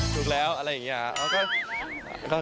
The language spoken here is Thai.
ถูกแล้วอะไรอย่างนี้